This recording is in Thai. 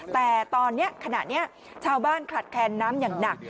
แต่ตอนนี้ขณะนี้ชาวบ้านขลัดแคนน้ำอย่างหนัก